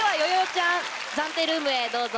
ちゃん暫定ルームへどうぞ。